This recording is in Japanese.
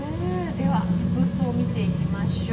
では服装見ていきましょう。